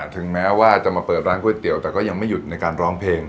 ถึงแม้ว่าจะมาเปิดร้านก๋วยเตี๋ยแต่ก็ยังไม่หยุดในการร้องเพลง